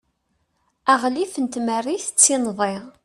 aɣlif n tmerrit d tinḍi